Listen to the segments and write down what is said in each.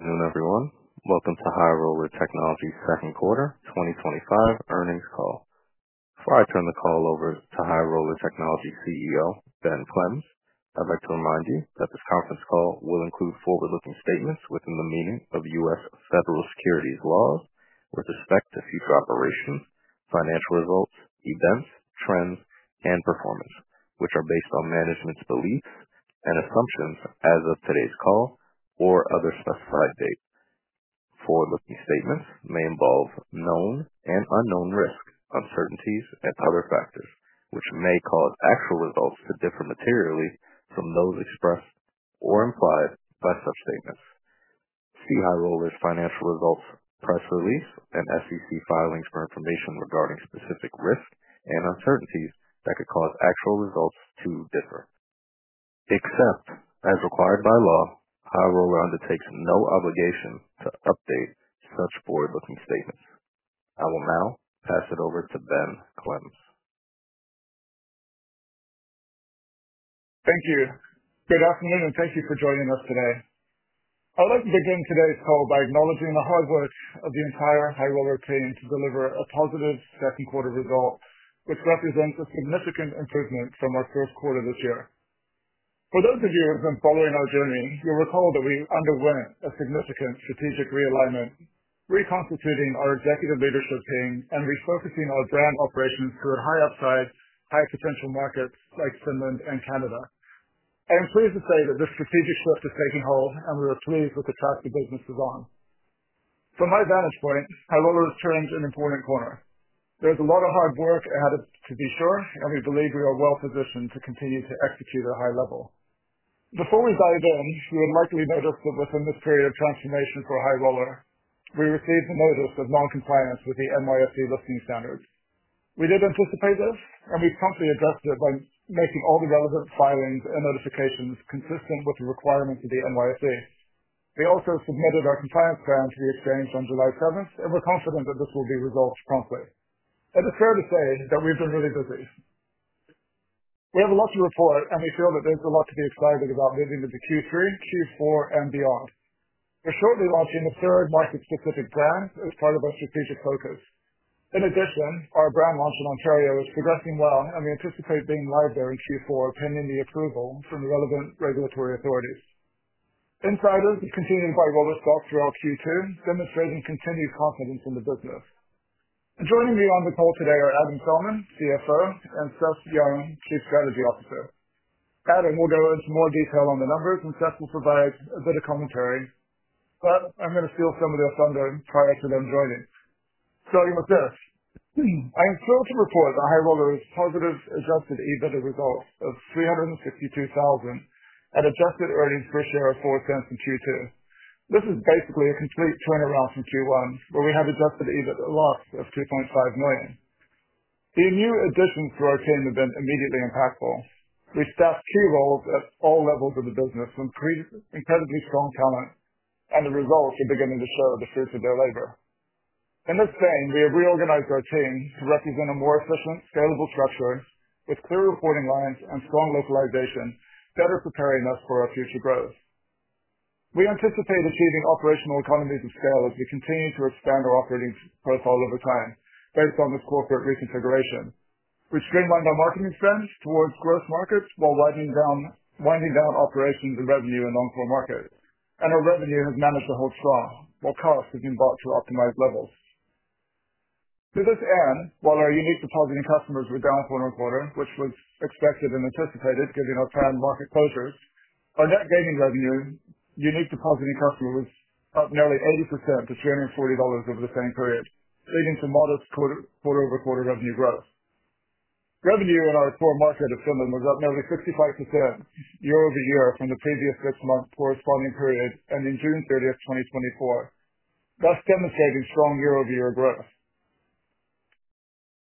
Good afternoon, everyone. Welcome to High Roller Technologies Second Quarter 2025 Earnings Call. Before I turn the call over to High Roller Technologies CEO, Ben Clemes, I'd like to remind you that this conference call will include forward-looking statements within the meaning of U.S., federal securities laws with respect to future operations, financial results, events, trends, and performance, which are based on management's beliefs and assumptions as of today's call or other specified date. Forward-looking statements may involve known and unknown risks, uncertainties, and other factors, which may cause actual results to differ materially from those expressed or implied by such statements. See High Roller's financial results press release and SEC filings for information regarding specific risks and uncertainties that could cause actual results to differ. Except as required by law, High Roller undertakes no obligation to update such forward-looking statements. I will now pass it over to Ben Clemes. Thank you. Good afternoon, and thank you for joining us today. I would like to begin today's call by acknowledging the hard work of the entire High Roller Technologies team to deliver a positive second quarter result, which represents a significant improvement from our first quarter this year. For those of you who have been following our journey, you'll recall that we underwent a significant strategic realignment, reconstituting our executive leadership team and refocusing our brand operations to high upside, high potential markets like Finland and Canada. I am pleased to say that this strategic shift has taken hold, and we are pleased with the track the business is on. From my vantage point, High Roller has turned an important corner. There's a lot of hard work ahead of us, to be sure, and we believe we are well positioned to continue to execute at a high level. Before we dive in, you would likely notice that within this period of transformation for High Roller, we received the notice of non-compliance with the NYSE listing standards. We did anticipate this, and we promptly addressed it by making all the relevant filings and notifications consistent with the requirements of the NYSE. We also submitted our compliance plans we exchanged on July 7th, and we're confident that this will be resolved promptly. It is fair to say that we've been really busy. We have a lot to report, and we feel that there's a lot to be excited about leading into Q3, Q4, and beyond. We're shortly launching the third market-specific brand as part of our strategic focus. In addition, our brand launch in Ontario is progressing well, and we anticipate being live there in Q4, pending the approval from the relevant regulatory authorities. Insiders have continued to buy High Roller stock throughout Q2, demonstrating continued confidence in the business. Joining me on the call today are Adam Felman, Chief Financial Officer, and Seth Young, Chief Strategy Officer. Adam will go into more detail on the numbers, and Seth will provide a bit of commentary. I am going to steal some of your thunder and try to get them joining. Starting with this, I am thrilled to report that High Roller targeted adjusted EBITDA result of $352,000 and adjusted earnings for this year are 4% in Q2. This is basically a complete turnaround from Q1, where we had adjusted EBITDA loss of $2.5 million. The new additions to our team have been immediately impactful. We've staffed two roles at all levels of the business with incredibly strong talent, and the results are beginning to show the fruits of their labor. In this vein, we have reorganized our team to represent a more efficient, scalable structure, with clear reporting lines and strong localization, better preparing us for our future growth. We anticipate achieving operational economies of scale as we continue to expand our operating profile over time, based on this corporate reconfiguration. We've streamlined our marketing spend towards growth markets while winding down operations and revenue in non-core markets. Our revenue has managed to hold strong, while costs have been brought to optimized levels. To this end, while our unique depositing customers were down for another quarter, which was expected and anticipated given our planned market closures, our net gaming revenue, unique depositing customers, is up nearly 80% to $340 over the same period, leading to modest quarter-over-quarter revenue growth. Revenue in our core market of Finland was up nearly 65% year-over-year from the previous six months' corresponding period ending June 30th, 2024. This demonstrates strong year-over-year growth.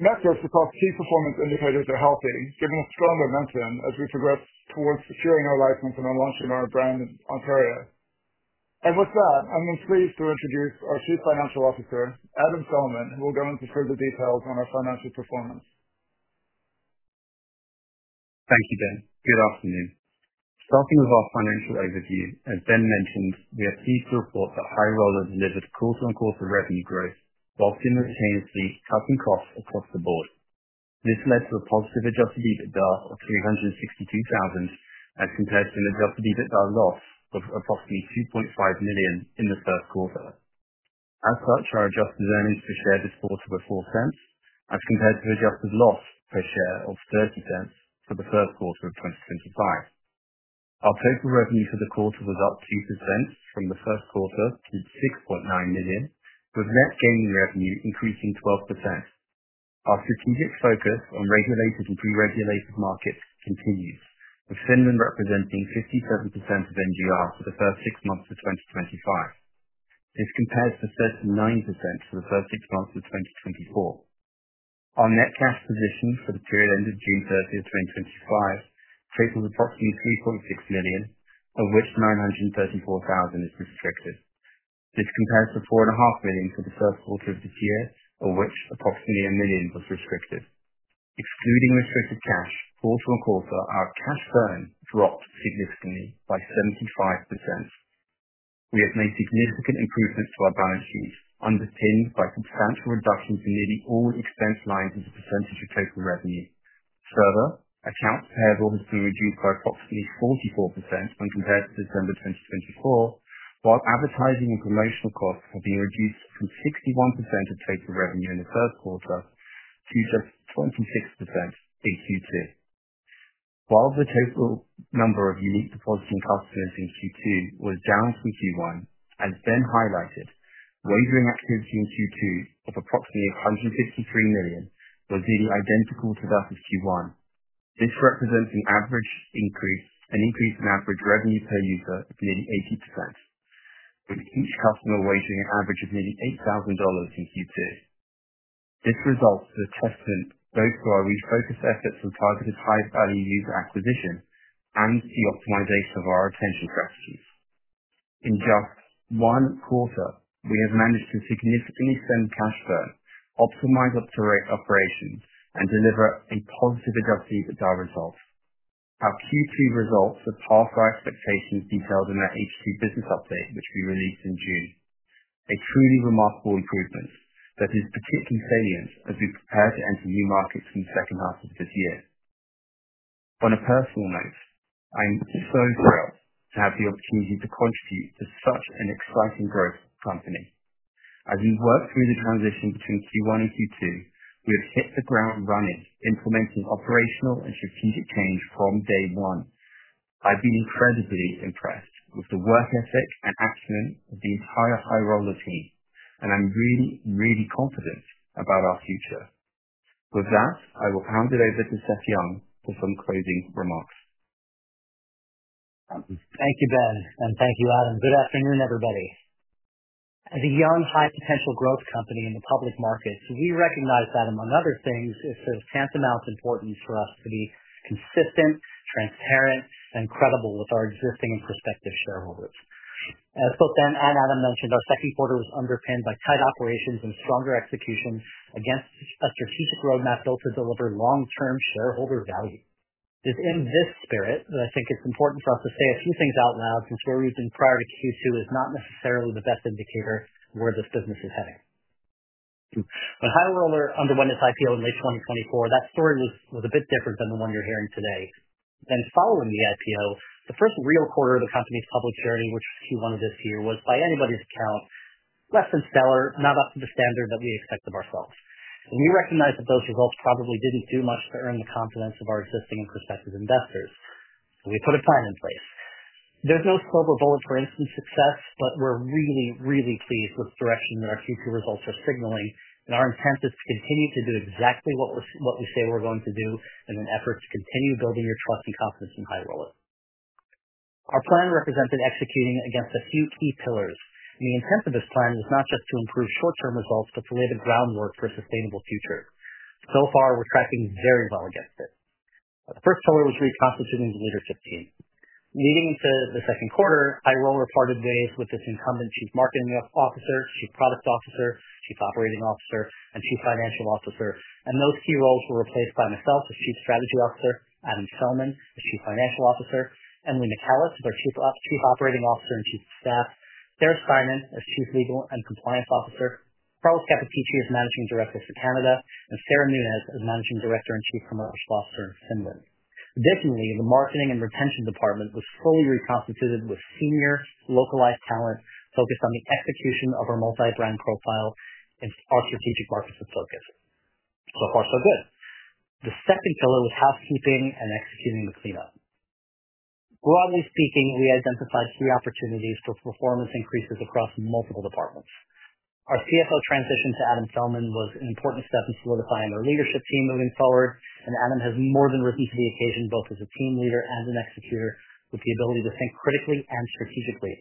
Metrics across key performance indicators are healthy, giving us strong momentum as we progress towards securing our license and launching our brand in Ontario. With that, I'm pleased to introduce our Chief Financial Officer, Adam Felman, who will go into further details on our financial performance. Thank you, Ben. Good afternoon. Starting with our financial overview, as Ben mentioned, we have feasible thought that High Roller, delivered quarter-on-quarter revenue growth, while simultaneously cutting costs across the board. This led to a positive adjusted EBITDA of $362,000 as compared to an adjusted EBITDA loss of approximately $2.5 million in the first quarter. As such, our adjusted earnings per share this quarter were 4% as compared to the adjusted loss per share of 30% for the first quarter of 2025. Our total revenue for the quarter was up 3% from the first quarter to $6.9 million, with net gaming revenue increasing 12%. Our strategic focus on regulated and deregulated markets continues, with Finland representing 57% of net gaming revenue for the first six months of 2025. This compares to 39% for the first six months of 2024. Our net cash position for the period ended June 30th, 2025, stands at approximately $3.6 million, of which $934,000 is restricted. This compares to $4.5 million for the first quarter of this year, of which approximately $1 million was restricted. Leading our restricted cash, quarter-on-quarter, our cash flow dropped significantly by 75%. We have made significant improvements to our balance sheet, underpinned by substantial reductions in nearly all expense lines as a percentage of total revenue. Further, accounts payable have been reduced by approximately 44% when compared to December 2024, while advertising and promotional costs have been reduced from 61% of total revenue in the first quarter to just 26% in Q2. While the total number of unique depositing customers in Q2 was down from Q1, as Ben highlighted, wagering activity in Q2 of approximately $153 million was nearly identical to that of Q1. This represents an increase in average revenue per user of nearly 80%, with each customer wagering an average of nearly $8,000 in Q2. This results in a checkpoint both for our refocused efforts on targeted high-value user acquisition and to optimize our retention strategies. In just one quarter, we have managed to significantly extend cash flow, optimize operations, and deliver a positive adjusted EBITDA result. Our Q2 results are past our expectations detailed in our HQ business update, which we released in June. A truly remarkable improvement that is particularly salient as we prepare to enter new markets in the second half of this year. On a personal note, I'm so thrilled to have the opportunity to contribute to such an exciting growth company. As we work through the transition between Q1 and Q2, we have hit the ground running, implementing operational and strategic change from day one. I've been incredibly impressed with the work ethic and acumen of the entire High Roller team, and I'm really, really confident about our future. With that, I will hand it over to Seth Young for some closing remarks. Thank you, Ben, and thank you, Adam. Good afternoon, everybody. As a young, high-potential growth company in the public markets, we recognize that, among other things, it's of tantamount importance for us to be consistent, transparent, and credible with our existing and prospective shareholders. As both Adam and I mentioned, our second quarter was underpinned by tight operations and stronger execution against a strategic roadmap built to deliver long-term shareholder value. It is in this spirit that I think it's important for us to say a few things out loud since where we've been prior to Q2 is not necessarily the best indicator of where this business is heading. When High Roller Technologies, Inc. underwent its IPO in late 2024, that story was a bit different than the one you're hearing today. Following the IPO, the first real quarter of the company's public bearing in Q1 of this year was, by anybody's account, less than stellar, not up to the standard that we expected of ourselves. We recognize that those results probably didn't do much to earn the confidence of our existing and prospective investors. We put a plan in place. There's no silver bullet for instant success, but we're really, really pleased with the direction that our future results are signaling, and our intent is to continue to do exactly what we say we're going to do in an effort to continue building your trust and confidence in High Roller. Our plan represented executing against a few key pillars, and the intent of this plan was not just to improve short-term results, but to lay the groundwork for a sustainable future. So far, we're tracking very well against it. The first pillar was reconstituting the leadership team. Leading into the second quarter, High Roller parted ways with its incumbent Chief Marketing Officer, Chief Product Officer, Chief Operating Officer, and Chief Financial Officer. Those key roles were replaced by myself, the Chief Strategy Officer, Adam Felman, the Chief Financial Officer, Emily Metalis, our Chief Operating Officer and Chief Legal & Compliance Officer, Charlotte Cappuccicci as Managing Director for Canada, and Sarah Nunez as Managing Director and Chief Commercial Officer of Finland. Additionally, the Marketing and Retention Department was fully reconstituted with senior localized talent focused on the execution of our multi-brand profile and our strategic marketing focus. So far, so good. The second pillar was housekeeping and executing the cleanup. Broadly speaking, we identified key opportunities for performance increases across multiple departments. Our CFO transition to Adam Felman was an important step in solidifying our leadership team moving forward, and Adam has more than repeated the occasion, both as a team leader and an executor, with the ability to think critically and strategically.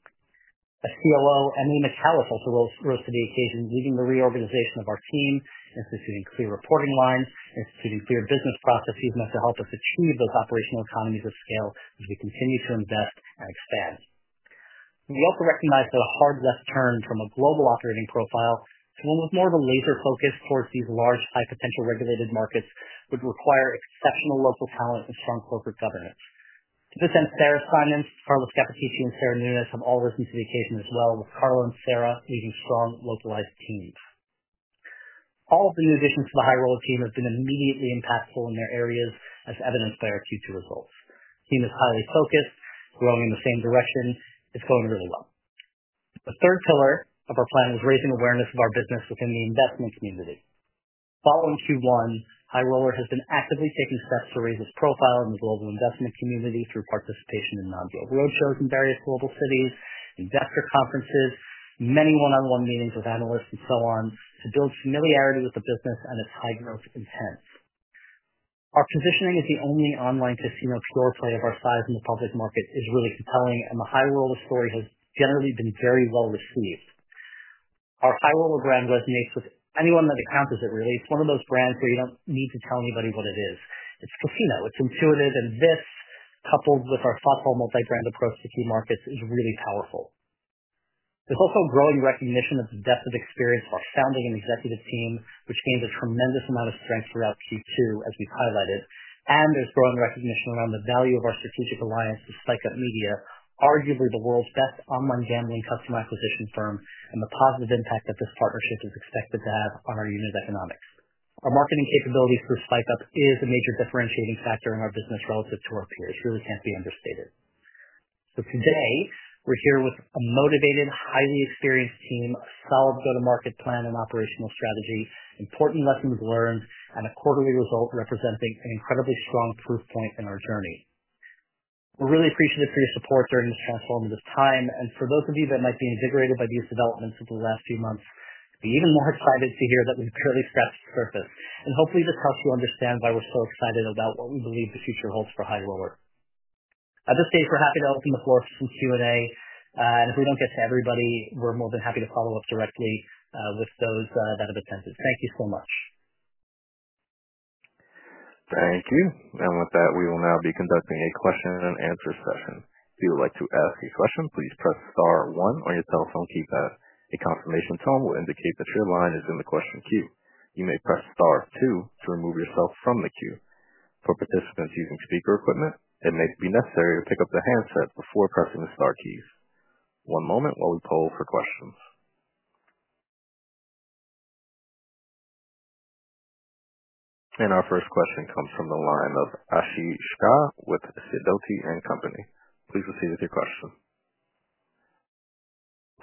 As Chief Legal & Compliance Officer, Emily Metalis also rose to the occasion, leading the reorganization of our team, instituting clear reporting lines, instituting clear business processes meant to help us achieve those operational economies of scale as we continue to invest and expand. We also recognize that a hard left turn from a global operating profile to one with more of a laser focus towards these large, high-potential regulated markets would require exceptional local talent and strong corporate governance. To this end, Charlotte Cappuccicci and Sarah Nunez have all risen to the occasion as well, with Charlotte and Sarah leading strong localized teams. All of the new additions to the High Roller team have been immediately impactful in their areas, as evidenced by our Q2 results. The team is highly focused, growing in the same direction, it's going really well. The third pillar of our plan was raising awareness of our business within the investment community. Following Q1, High Roller has been actively taking steps to raise its profile in the global investment community through participation in non-deal roadshows in various global cities, executive conferences, many one-on-one meetings with analysts, and so on, to build familiarity with the business and its high-growth intent. Our positioning as the only real-money online casino platform of our size in the public market is really compelling, and the High Roller story has generally been very well received. Our High Roller brand resonates with anyone that encounters it, really. It's one of those brands where you don't need to tell anybody what it is. It's casino. It's intuitive, and this, coupled with our thoughtful multi-brand approach to key markets, is really powerful. We also have growing recognition of the depth of experience of our founding and executive team, which gained a tremendous amount of strength throughout Q2, as we've highlighted. There is growing recognition around the value of our strategic alliance with Spike Up Media, arguably the world's best online gambling customer acquisition firm, and the positive impact that this partnership is expected to have on our unique economics. Our marketing capabilities through Spike Up Media is a major differentiating factor in our business relative to our peers. It really cannot be understated. Today, we're here with a motivated, highly experienced team, solid go-to-market plan and operational strategy, important lessons learned, and a quarterly result representing an incredibly strong proof point in our journey. We're really appreciative for your support during this transformative time. For those of you that might be invigorated by these developments over the last few months, we're even more excited to hear that we've barely scratched the surface. Hopefully, this helps you understand why we're so excited about what we believe the future holds for High Roller. At this stage, we're happy to open the floor to Q&A. If we do not get to everybody, we're more than happy to follow up directly with those that have attended. Thank you so much. Thank you. With that, we will now be conducting a question-and-answer session. If you would like to ask a question, please press Star, one on your telephone keypad. A confirmation tone will indicate that your line is in the question queue. You may press Star, two to remove yourself from the queue. For participants using speaker equipment, it may be necessary to pick up the handset before pressing the star keys. One moment while we poll for questions. Our first question comes from the line of Ashi Shka with Sidothi & Company. Please proceed with your question.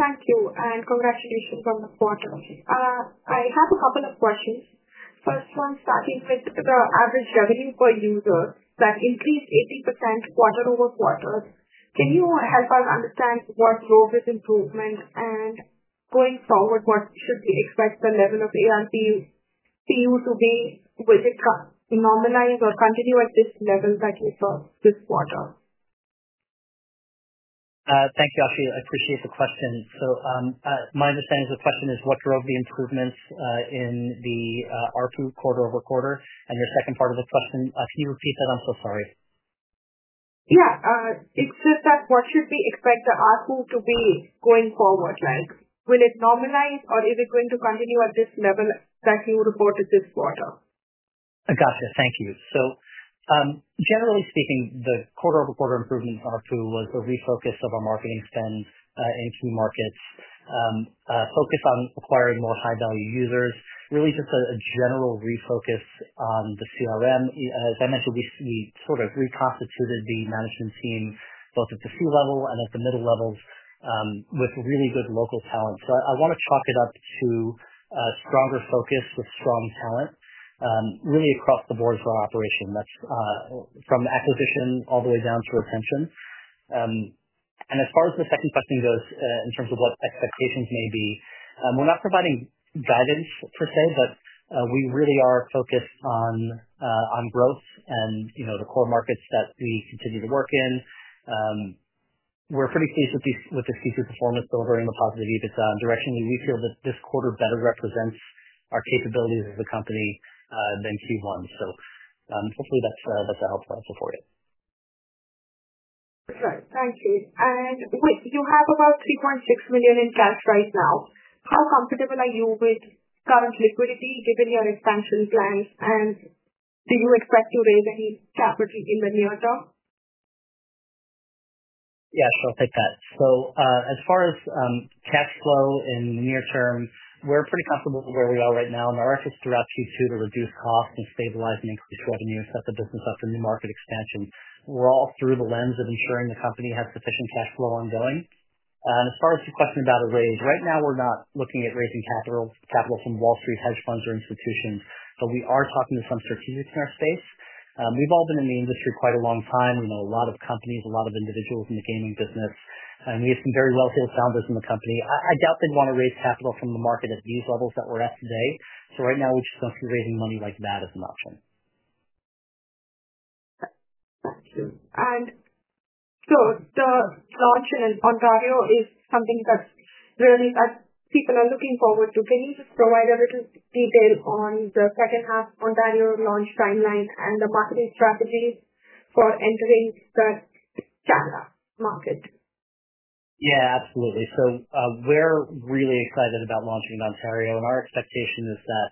Thank you, and congratulations on the quarter. I have a couple of questions. First one, starting with the average revenue per user that increased 18% quarter-over-quarter. Can you help us understand what drove this improvement? Going forward, what should we expect the level of ARPU to be? Will it normalize or continue at this level that we saw this quarter? Thank you, Ashi. I appreciate the question. My understanding of the question is, what drove the improvements in the ARPU quarter-over-quarter? Your second part of the question, Ashi Shka, I'm so sorry. Yeah, it's just that what should we expect the ARPU to be going forward? Like, will it normalize, or is it going to continue at this level that you reported this quarter? Got it. Thank you. Generally speaking, the quarter-over-quarter improvement of ARPU was a refocus of our marketing spend in key markets, a focus on acquiring more high-value users, really just a general refocus on the CRM. I believe we sort of reconstituted the management team both at the true level and at the middle levels, with really good local talent. I want to chalk it up to a stronger focus with strong talent, really across the board for our operation, from acquisition all the way down to retention. As far as the second question goes, in terms of what expectations may be, we're not providing guidance per se, but we really are focused on growth and the core markets that we continue to work in. We're pretty pleased with the performance delivering a positive EBITDA direction. We feel that this quarter better represents our capabilities as a company than Q1. Hopefully, that's what I'll be able to help answer for you. Sure. Thank you. You have about $3.6 million in cash right now. How comfortable are you with current liquidity given your expansion plans? Do you expect to raise any capital in the near term? Yes, I'll take that. As far as cash flow in the near term, we're pretty comfortable with where we are right now. Our efforts throughout Q2 to reduce costs and stabilize and increase global new acceptable success in the market expansion were all through the lens of ensuring the company has sufficient cash flow ongoing. As far as your question about a raise, right now, we're not looking at raising capital from Wall Street hedge funds or institutions, but we are talking to some strategics in our space. We've all been in the industry quite a long time. We know a lot of companies, a lot of individuals in the gaming business. We have some very well-tailed founders in the company. I doubt they'd want to raise capital from the market at these levels that we're at today. Right now, we're just considering raising money like that as an option. The launch in Ontario is something that's really that people are looking forward to. Can you just provide a little detail on the second half Ontario launch timeline and the marketing strategy for entering the Canada market? Yeah, absolutely. We're really excited about launching in Ontario, and our expectation is that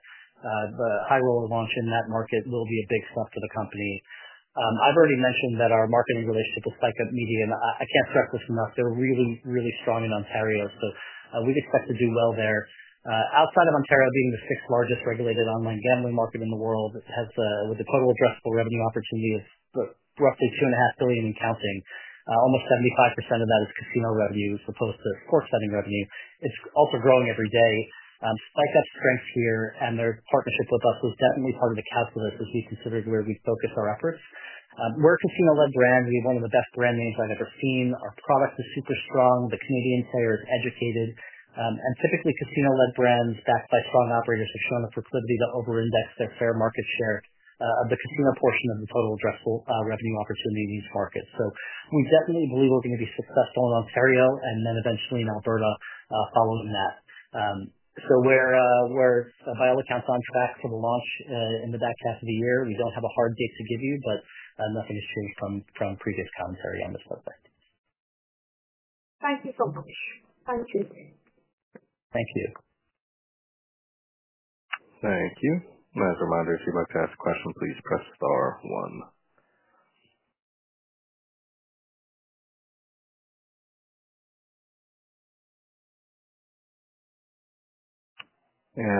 the High Roller launch in that market will be a big plus for the company. I've already mentioned our marketing relationship with Spike Up Media, and I can't stress this enough, they're really, really strong in Ontario. We'd expect to do well there. Outside of Ontario being the sixth largest regulated online gambling market in the world, it has the total addressable revenue opportunity of roughly $2.5 billion and counting. Almost 75% of that is casino revenue as opposed to sports betting revenue. It's also growing every day. Spike Up's strengths here and their partnership with us was definitely part of the calculus as we considered where we'd focus our efforts. We're a casino-led brand. We have one of the best brand names I've ever seen. Our product is super strong. The Canadian player is educated, and typically, casino-led brands backed by strong operators have shown a proclivity to overinvest their fair market share, a bit more portion of the total addressable revenue opportunity in these markets. We definitely believe we're going to be successful in Ontario and then eventually in Alberta, following that. We're by all accounts on track for the launch in the back half of the year. We don't have a hard date to give you, but nothing is free from a free discount period on this market. Thank you so much. Thank you. Thank you. Thank you. As a reminder, if you'd like to ask a question, please press star one.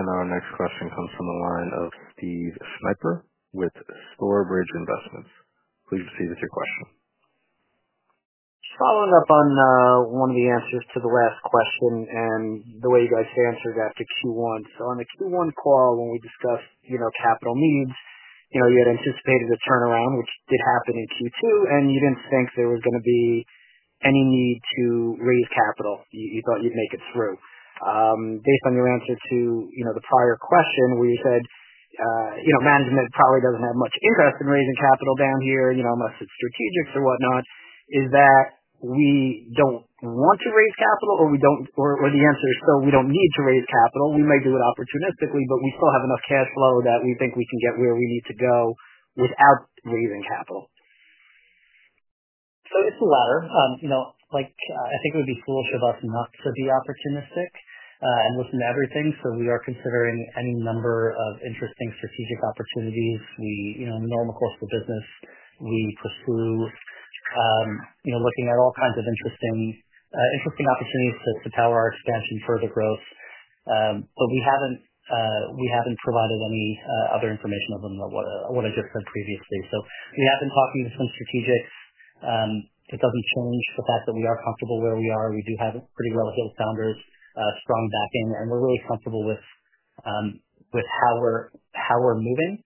Our next question comes from the line of Steve Sniper with StoreBridge Investments. Please proceed with your question. Following up on one of the answers to the last question and the way you guys answered that to Q1. On the Q1 call, when we discussed capital needs, you had anticipated a turnaround, which did happen in Q2, and you didn't think there was going to be any need to raise capital. You thought you'd make it through. Based on your answer to the prior question, where you said management probably doesn't have much interest in raising capital down here, unless it's strategics or whatnot, is that we don't want to raise capital or the answer is still we don't need to raise capital. We might do it opportunistically, but we still have enough cash flow that we think we can get where we need to go without raising capital. It's the latter. I think it would be foolish of us not to be opportunistic and looking at everything. We are considering any number of interesting strategic opportunities. In the normal course of the business, we pursue looking at all kinds of interesting opportunities to power our expansion for the growth. We haven't provided any other information other than what I just said previously. We have been talking to some strategics. It doesn't change the fact that we are comfortable where we are. We do have pretty well-heeled founders, a strong backing, and we're really comfortable with how we're moving.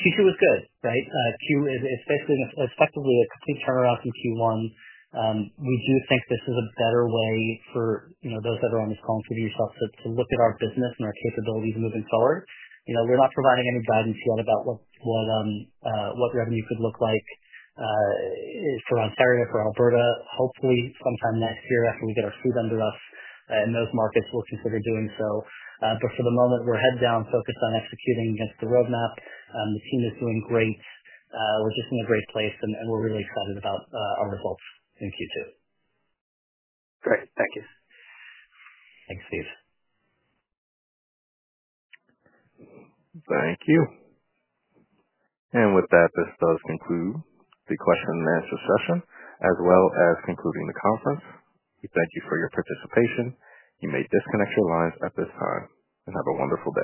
Q2 is good, right? Q2 is effectively a complete turnaround from Q1. We do think this is a better way for those that are on this call to look at our business and our capabilities moving forward. We're not providing any guidance yet about what revenue could look like for Ontario, for Alberta. Hopefully, sometime next year after we get our feet under us in those markets, we'll consider doing so. For the moment, we're head down, focused on executing against the roadmap. Machine is doing great. We're just in a great place, and we're really excited about our results in Q2. Great, thank you. Thanks, Steve. Thank you. With that, this does conclude the question and answer session, as well as concluding the conference. We thank you for your participation. You may disconnect your lines at this time and have a wonderful day.